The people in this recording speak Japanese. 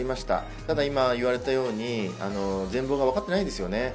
ただ今、言われたように全貌が分かっていないですよね。